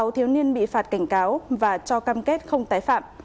sáu thiếu niên bị phạt cảnh cáo và cho cam kết không tái phạm